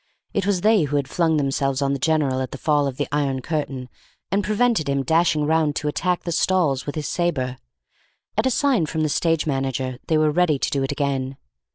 It was they who had flung themselves on the general at the fall of the iron curtain and prevented him dashing round to attack the stalls with his sabre. At a sign from the stage manager they were ready to do it again.